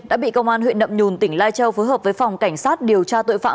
đã bị công an huyện nậm nhùn tỉnh lai châu phối hợp với phòng cảnh sát điều tra tội phạm